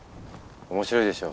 面白いでしょ。